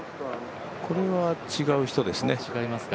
これは違う人ですね。